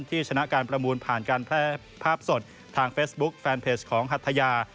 ชนะการประมูลผ่านการแพร่ภาพสดทางเฟซบุ๊คแฟนเพจของหัทยา